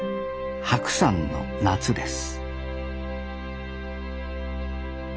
白山の夏です